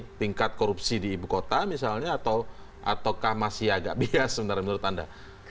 apakah tingkat korupsi di ibu kota misalnya ataukah masih agak bias sebenarnya menurut anda